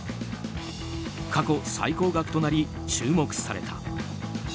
過去最高額となり注目された。